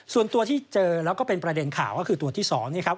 ส่วนตัวที่เจอแล้วก็เป็นประเด็นข่าวก็คือตัวที่๒นี่ครับ